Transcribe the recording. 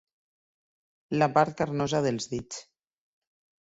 La part carnosa dels dits.